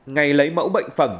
ngày lấy mẫu bệnh phẩm